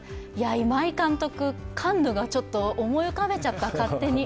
今井監督、カンヌがちょっと思い浮かべちゃった勝手に。